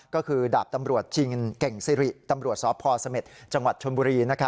ก็คือดาบตำรวจชิงเก่งสิริตำรวจสพเสม็จจังหวัดชนบุรี